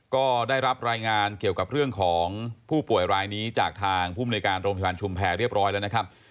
ก็ได้รับรายงานเกี่ยวกับเรื่องของผู้ป่วยรายนี้จากทางภูมิในการโรงพยาบาลชุมแพรเรียบร้อยแล้วนะครับ